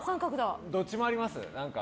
どっちもあります。